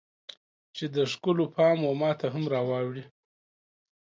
چې د ښکلو پام و ماته هم راواوړي